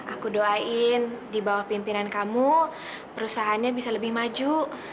aku doain di bawah pimpinan kamu perusahaannya bisa lebih maju